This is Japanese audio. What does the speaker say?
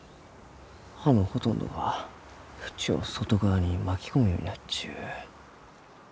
葉のほとんどが縁を外側に巻き込むようになっちゅう。